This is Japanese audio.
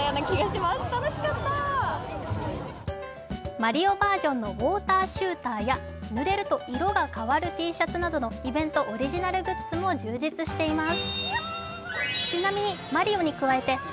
マリオバージョンのウォーターキューブやぬれると色が変わるＴシャツなどのイベントオリジナルグッズも充実しています。